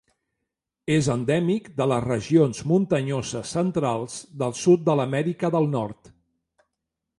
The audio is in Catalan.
És endèmic de les regions muntanyoses centrals del sud de l'Amèrica del Nord.